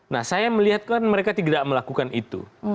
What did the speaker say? nah saya melihatkan mereka tidak melakukan itu